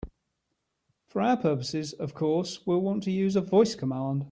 For our purposes, of course, we'll want to use a voice command.